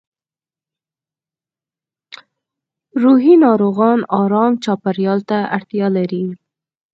روحي ناروغان ارام چاپېریال ته اړتیا لري